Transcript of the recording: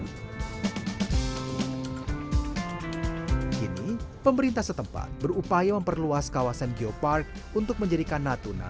kini pemerintah setempat berupaya memperluas kawasan geopark untuk menjadikan natuna